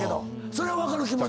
それは分かる気持ち。